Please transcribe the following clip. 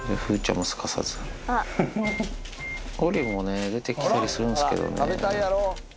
のりもね、出てきたりするんですけどね。